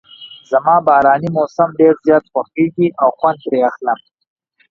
زما باراني موسم ډېر زیات خوښیږي او خوند ترې اخلم.